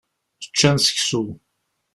Ččan seksu.